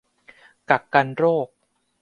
กักกันโรค